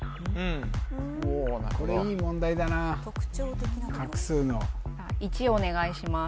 これいい問題だな画数のお願いします